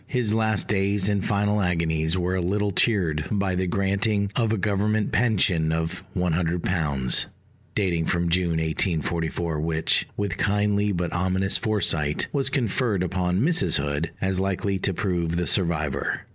His last days and final agonies were a little cheered by the granting of a Government pension of £100, dating from June 1844, which, with kindly but ominous foresight, was conferred upon Mrs. Hood, as likely to prove the survivor.